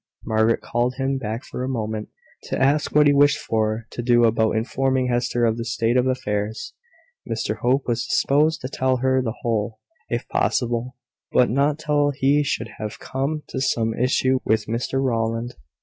Margaret called him back for a moment, to ask what he wished her to do about informing Hester of the state of affairs. Mr Hope was disposed to tell her the whole, if possible; but not till he should have come to some issue with Mr Rowland.